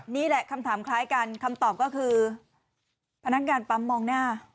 นี่แหละคำถามคล้ายกันคำตอบก็คือพนักงานปั๊มมองหน้า